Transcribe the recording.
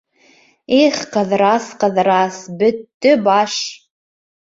Их, Ҡыҙырас, Ҡыҙырас, бөттө баш!..